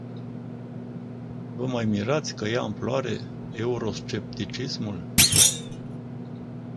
Vă mai mirați că ia amploare euroscepticismul?